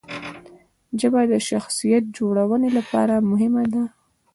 ژبه د شخصیت جوړونې لپاره مهمه ده.